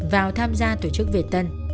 vào tham gia tổ chức việt tân